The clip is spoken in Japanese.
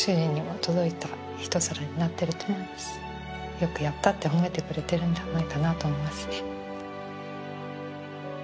「よくやった」って褒めてくれてるんじゃないかなと思いますね。